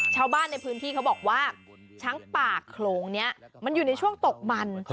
ชาวบ้านในพื้นที่เขาบอกว่าช้างป่าโขลงนี้มันอยู่ในช่วงตกมัน